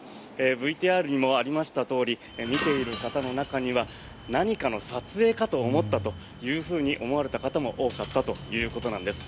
ＶＴＲにもありましたとおり見ている方の中には何かの撮影かと思ったと思われた方も多かったということなんです。